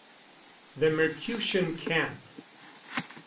THE MERCUTIAN CAMP.